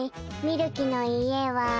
みるきの家は。